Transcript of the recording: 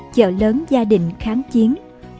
chợ lớn gia đình kháng chiến